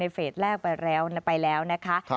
ในเฟสแรกไปแล้วนะคะ